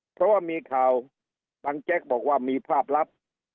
เพราะว่ามีข่าวบางแจ๊กบอกว่ามีภาพลับ